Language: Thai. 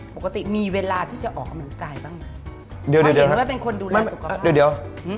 ปกติมีเวลาที่จะออกกำลังกายบ้างไหมเดี๋ยวเดี๋ยวเดี๋ยว